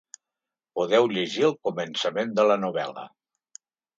Podeu llegir el començament de la novel·la.